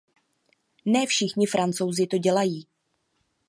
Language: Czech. Ne všichni Francouzi to dělají.